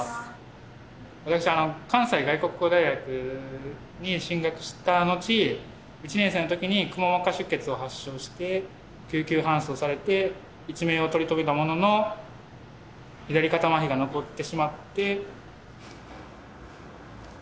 私あの関西外国語大学に進学したのち１年生の時にくも膜下出血を発症して救急搬送されて一命をとり止めたものの左片まひが残ってしまって。